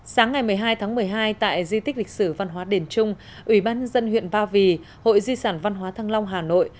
sáng ngày một mươi hai tháng một mươi hai tại di tích lịch sử văn hóa đền trung ủy ban nhân dân huyện ba vì hội di sản văn hóa thăng long hà nội